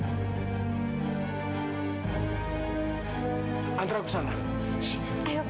kalau kamu tahu dia juga patah kamu harus akan bikin kocok